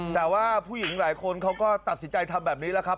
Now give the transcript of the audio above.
แต่ว่าผู้หญิงหลายคนเขาก็ตัดสินใจทำแบบนี้แล้วครับ